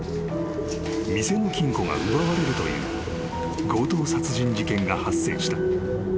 ［店の金庫が奪われるという強盗殺人事件が発生した］